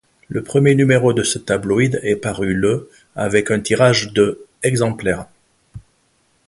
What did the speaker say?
Le premier numéro de ce tabloïd est paru le avec un tirage de exemplaires.